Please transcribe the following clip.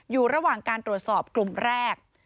อยู่ระหว่างการตรวจสอบกลุ่มแรก